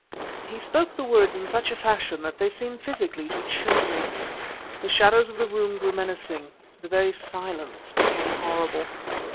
He spoke the words in such a fashion that they seemed physically to chill me. The shadows of the room grew menacing; the very silence became horrible.